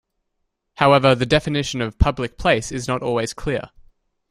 However, the definition of "public place" is not always clear.